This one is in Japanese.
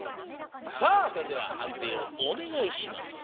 さあそれでははんていをおねがいします。